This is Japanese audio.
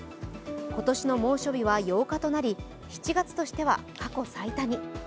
今年の猛暑日は８日となり７月としては過去最多に。